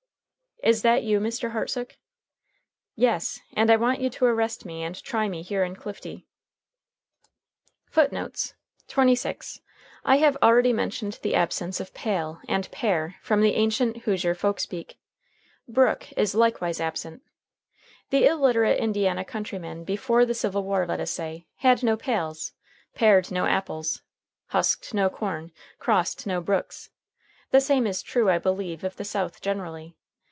"Is that you, Mr. Hartsook?" "Yes, and I want you to arrest me and try me here in Clifty." FOOTNOTES: [Footnote 26: I have already mentioned the absence of pail and pare from the ancient Hoosier folk speech. Brook is likewise absent. The illiterate Indiana countryman before the Civil War, let us say, had no pails, pared no apples, husked no corn, crossed no brooks. The same is true, I believe, of the South generally.